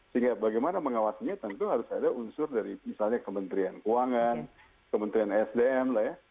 sehingga bagaimana mengawasinya tentu harus ada unsur dari misalnya kementerian keuangan kementerian sdm lah ya